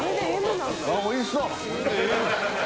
おいしそう！